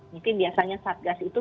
mungkin biasanya satgas itu